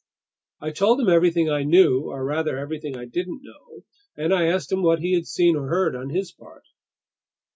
I told him everything I knew—or, rather, everything I didn't know—and I asked him what he had seen or heard on his part.